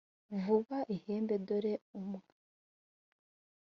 vuza ihembe dore umwa